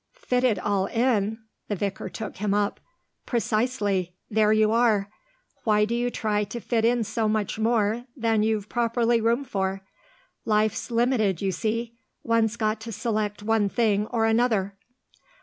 "Fit it all in!" The vicar took him up. "Precisely. There you are. Why do you try to fit in so much more than you've properly room for? Life's limited, you see. One's got to select one thing or another."